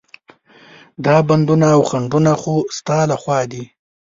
دا بندونه او خنډونه خو ستا له خوا دي.